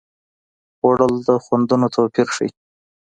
خوړل د خوندونو توپیر ښيي